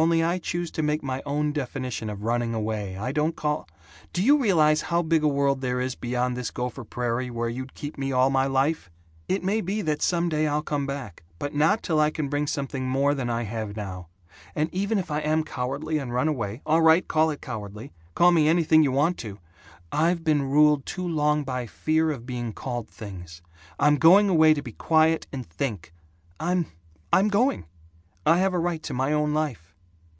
Only I choose to make my own definition of 'running away' I don't call Do you realize how big a world there is beyond this Gopher Prairie where you'd keep me all my life? It may be that some day I'll come back, but not till I can bring something more than I have now. And even if I am cowardly and run away all right, call it cowardly, call me anything you want to! I've been ruled too long by fear of being called things. I'm going away to be quiet and think. I'm I'm going! I have a right to my own life."